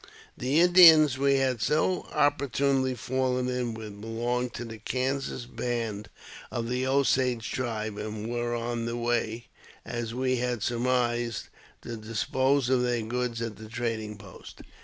The Indians we had so opportunely fallen in with belonged to the Kansas band of the Osage tribe, and were on the way, as we had surmised, to dispose of their goods at the trading post.